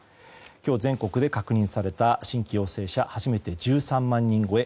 今日、全国で確認された新規陽性者初めて１３万人超え。